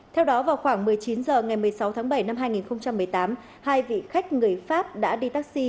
theo đó vào khoảng một mươi chín h ngày một mươi sáu tháng bảy năm hai nghìn một mươi tám hai vị khách người pháp đã đi taxi